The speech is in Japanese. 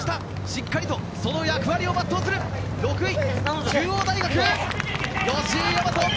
しっかりとその役割を全うする６位、中央大学。